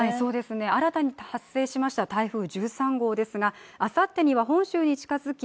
新たに発生しました台風１３号ですがあさってには本州に近づき